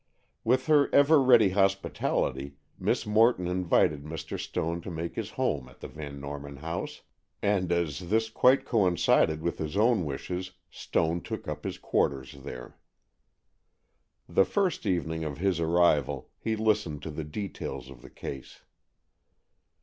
With her ever ready hospitality, Miss Morton invited Mr. Stone to make his home at the Van Norman house, and, as this quite coincided with his own wishes, Stone took up his quarters there. The first evening of his arrival he listened to the details of the case.